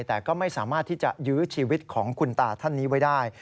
แต่ก็ไม่สามารถที่จะยื้อชีวิตของคุณตาท่านนี้ไว้ได้